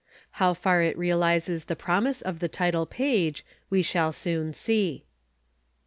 How far it realizes the promise of the title page, we shall soon see.